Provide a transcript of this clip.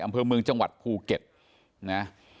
อำเภอเมืองจังหวัดภูเก็ตนะ